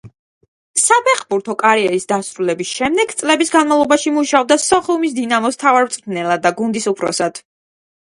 საფეხბურთო კარიერის დასრულების შემდეგ წლების განმავლობაში მუშაობდა სოხუმის „დინამოს“ მთავარ მწვრთნელად და გუნდის უფროსად.